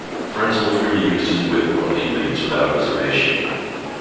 Frenzel freely used his whip on inmates without reservation.